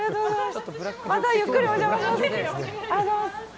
またゆっくりお邪魔します。